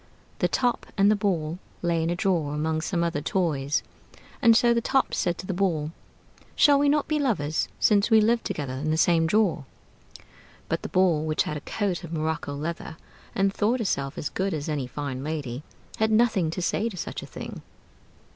The Top and the Ball lay in a drawer among some other toys; and so the Top said to the Ball: "Shall we not be lovers, since we live together in the same drawer?" But the Ball, which had a coat of morocco leather, and thought herself as good as any fine lady, had nothing to say to such a thing.